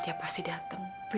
boleh bekerja terus baru